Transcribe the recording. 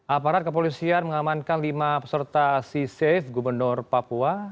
aparat kepolisian mengamankan lima peserta csafe gubernur papua